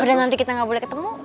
udah nanti kita nggak boleh ketemu